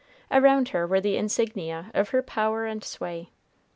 Around her were the insignia of her power and sway.